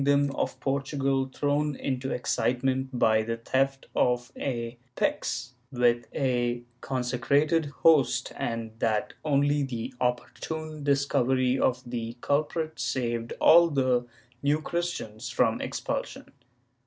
502 RETROSPECT [Book IX dom of Portugal thrown into excitement by the theft of a pyx with a consecrated host and that only the opportune discovery of the culprit saved all the New Christians from expulsion.